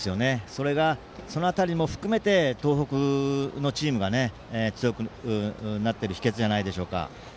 それが、その辺りも含めて東北のチームが強くなっている秘けつじゃないでしょうか。